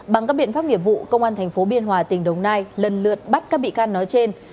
bằng các biện pháp nghiệp vụ công an tp biên hòa tỉnh đồng nai lần lượt bắt các bị can nói trên